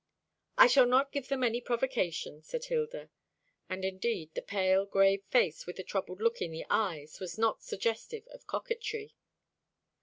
"I shall not give them any provocation," said Hilda; and indeed the pale grave face, with the troubled look in the eyes, was not suggestive of coquetry.